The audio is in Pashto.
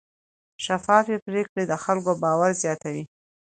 شفافې پریکړې د خلکو باور زیاتوي.